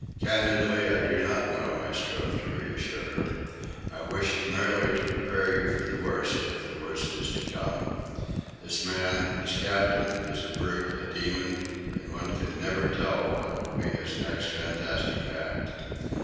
"Candidly, I do not know," I strove to reassure her. "I wished merely to prepare you for the worst, if the worst is to come. This man, this captain, is a brute, a demon, and one can never tell what will be his next fantastic act."